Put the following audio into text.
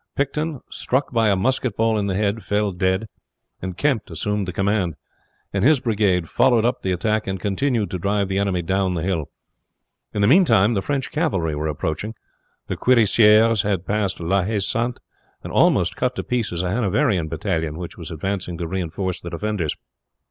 Picton, struck by a musket ball in the head, fell dead, and Kempt assumed the command, and his brigade followed up the attack and continued to drive the enemy down the hill. In the meantime the French cavalry were approaching. The cuirassiers had passed La Haye Sainte, and almost cut to pieces a Hanoverian battalion which was advancing to reinforce the defenders.